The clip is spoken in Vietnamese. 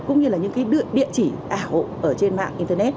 cũng như là những cái địa chỉ ảo ở trên mạng internet